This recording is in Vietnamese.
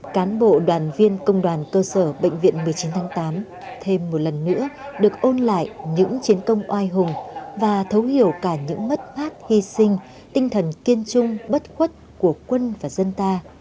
cán bộ đoàn viên công đoàn cơ sở bệnh viện một mươi chín tháng tám thêm một lần nữa được ôn lại những chiến công oai hùng và thấu hiểu cả những mất mát hy sinh tinh thần kiên trung bất khuất của quân và dân ta